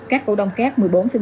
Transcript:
các cổ đông khác một mươi bốn một